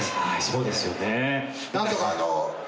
そうですよね。